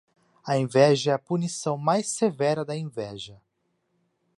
A inveja é a punição mais severa da inveja.